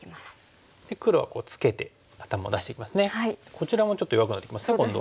こちらもちょっと弱くなってきますね今度は。